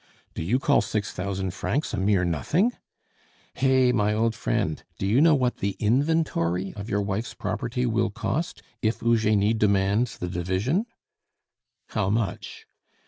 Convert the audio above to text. "Do you call six thousand francs a mere nothing?" "Hey! my old friend, do you know what the inventory of your wife's property will cost, if Eugenie demands the division?" "How much?"